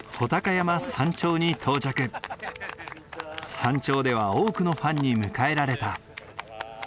山頂では多くのファンに迎えられた。